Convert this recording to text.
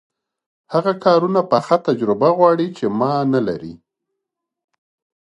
هغه کارونه پخه تجربه غواړي چې ما نلري.